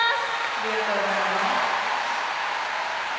ありがとうございます。